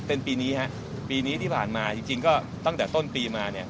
เป็นปีนี้ฮะปีนี้ที่ผ่านมาจริงก็ตั้งแต่ต้นปีมาเนี่ย